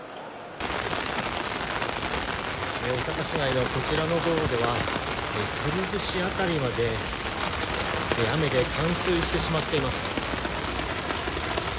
大阪市内のこちらの道路では、くるぶし辺りまで雨で冠水してしまっています。